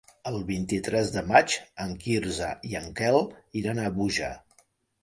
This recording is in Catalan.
El vint-i-tres de maig en Quirze i en Quel iran a Búger.